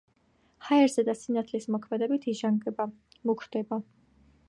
ჰაერზე და სინათლის მოქმედებით იჟანგება, მუქდება.